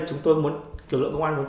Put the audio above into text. chúng tôi muốn lực lượng công an muốn